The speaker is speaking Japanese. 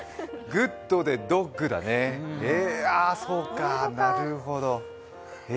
グッドでドッグだね、そうか、なるほど。